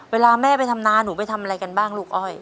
เวลาแม่ไปทำนาหนูไปทำอะไรกันบ้างลูกอ้อย